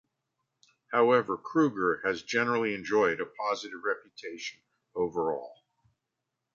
However, Kruger has generally enjoyed a positive reputation overall.